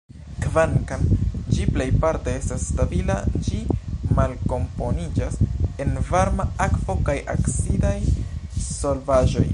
Kvankam ĝi plejparte estas stabila, ĝi malkomponiĝas en varma akvo kaj acidaj solvaĵoj.